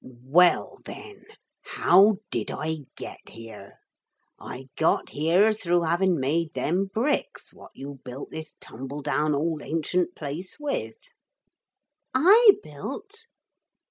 'Well, then. How did I get here? I got here through having made them bricks what you built this tumble down old ancient place with.' 'I built?'